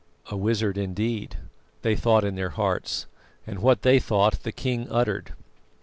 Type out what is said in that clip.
"A wizard indeed," they thought in their hearts, and what they thought the king uttered.